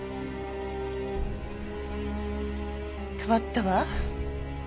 変わったわ。